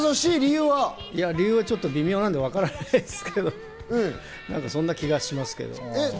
理由はちょっと微妙なんでわからないですけど、そんな気がしますけど。